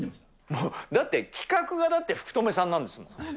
もうだって、企画がだって福留さんなんですもん。